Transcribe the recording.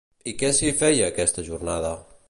I què s'hi feia aquesta jornada?